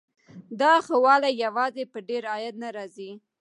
دا ښه والی یوازې په ډېر عاید نه راځي.